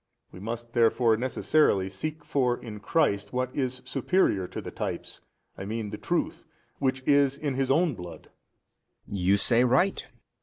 We must therefore necessarily seek for in Christ what is superior to the types, I mean the truth, which is in His own Blood. B. You say right.